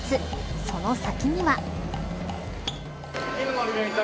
その先には。